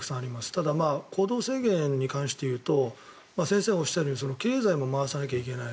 ただ、行動制限に関して言うと先生がおっしゃるように経済も回さなければいけない